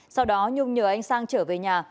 sau đó nhung nhờ anh sang trở về nhà